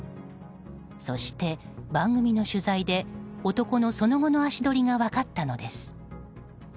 そして番組の取材で男のその後の足取りが分かったのです。